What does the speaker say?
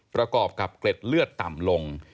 ประกอบกับเกล็ดเลือดต่ำลง